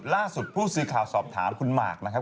ล่าสุดผู้สื่อข่าวสอบถามคุณหมากนะครับ